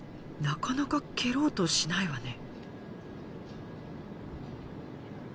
なかなか蹴ろうとしないわね。